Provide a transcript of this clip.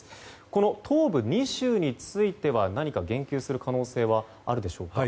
この東部２州については何か言及する可能性はありますか。